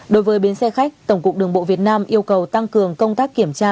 đối với bến xe khách tổng cục đường bộ việt nam yêu cầu tăng cường công tác kiểm tra